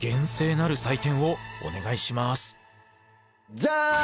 ジャン！